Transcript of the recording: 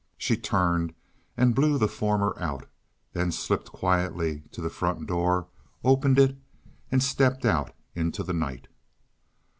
She turned and blew the former out—then slipped quietly to the front door, opened it and stepped out into the night.